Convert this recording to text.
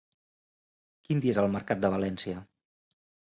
Quin dia és el mercat de València?